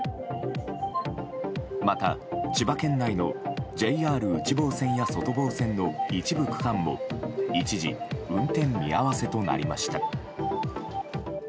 また千葉県内のＪＲ内房線や外房線の一部区間も一時、運転見合わせとなりました。